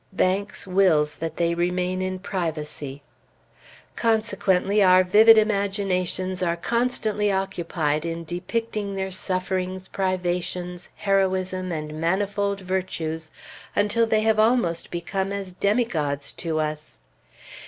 Banks wills that they remain in privacy. Consequently our vivid imaginations are constantly occupied in depicting their sufferings, privations, heroism, and manifold virtues, until they have almost become as demigods to us.